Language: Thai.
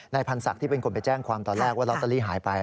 พันศักดิ์ที่เป็นคนไปแจ้งความตอนแรกว่าลอตเตอรี่หายไป